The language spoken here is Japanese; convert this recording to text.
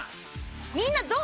みんなどう？